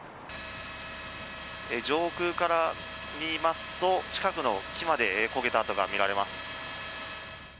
上空から見ますと近くの木まで焦げた跡が見られます。